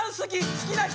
好きな人！